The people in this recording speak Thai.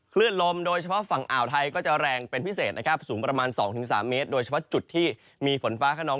คลื่นลมโดยเฉพาะฝั่งอ่าวไทยก็จะแรงเป็นพิเศษนะครับสูงประมาณ๒๓เมตรโดยเฉพาะจุดที่มีฝนฟ้าขนอง